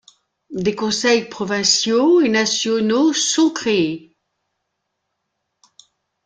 Des conseils provinciaux et nationaux sont créés.